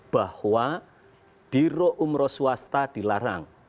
bahwa biro umroh swasta dilarang